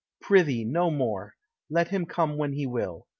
"Prithee, no more; let him come when he will.